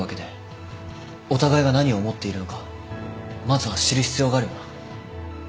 お互いが何を思っているのかまずは知る必要があるよな。